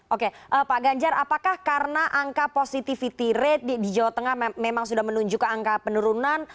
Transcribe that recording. oke pak ganjar apakah karena angka positivity rate di jawa tengah memang sudah menunjukkan angka penurunan